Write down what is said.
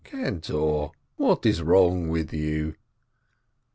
"Cantor, what is wrong with you